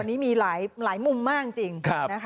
วันนี้มีหลายมุมมากจริง